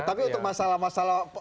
tapi untuk masalah masalah